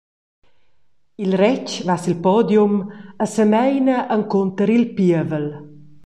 Il retg va sil podium e semeina encunter il pievel.